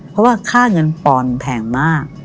เพราะว่าค่าเงินปอนด์แพงมาก